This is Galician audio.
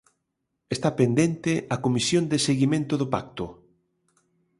Está pendente a Comisión de seguimento do pacto.